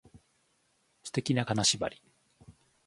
素敵な金縛り